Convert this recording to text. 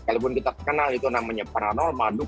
kalaupun kita kenal itu namanya paranormal